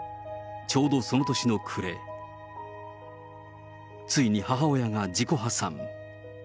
ちょうどその年の暮れ、ついに母親が自己破産。